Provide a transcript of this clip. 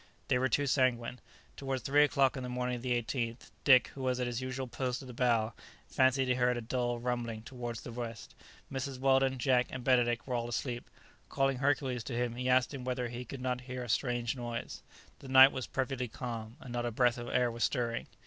They were too sanguine. Towards three o'clock on the morning of the 18th, Dick, who was at his usual post at the bow, fancied he heard a dull rumbling towards the west. Mrs. Weldon, Jack, and Benedict were all asleep. Calling Hercules to him, he asked him whether he could not hear a strange noise. The night was perfectly calm, and not a breath of air was stirring.